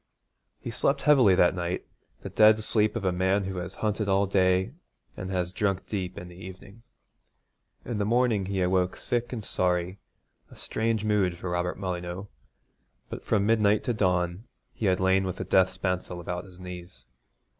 He slept heavily that night, the dead sleep of a man who has hunted all day and has drunk deep in the evening. In the morning he awoke sick and sorry, a strange mood for Robert Molyneux; but from midnight to dawn he had lain with the death spancel about his knees.